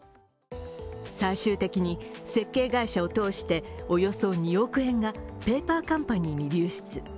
最終的に設計会社を通しておよそ２億円がペーパーカンパニーに流出。